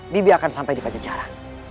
bibi akan sampai di pajajaran